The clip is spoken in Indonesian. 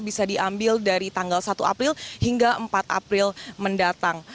bisa diambil dari tanggal satu april hingga empat april mendatang